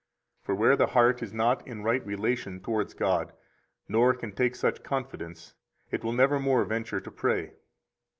For where the heart is not in right relation towards God, nor can take such confidence, it will nevermore venture to pray.